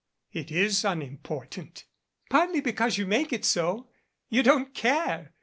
"It is unimportant " "Partly because you make it so. You don't care.